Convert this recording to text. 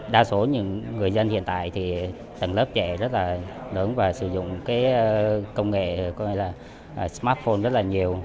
đa số những người dân hiện tại thì tầng lớp trẻ rất là lớn và sử dụng công nghệ smartphone rất là nhiều